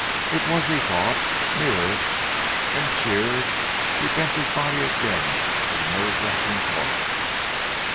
It was, he thought nearer, and cheered, he bent his body again to the nerve racking toil.